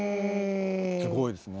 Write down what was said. すごいですね。